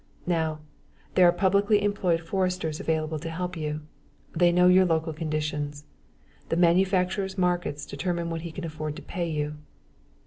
Now, there are publically employed foresters available to help you. They know your local conditions. The manufacturer's markets determine what he can afford to pay you.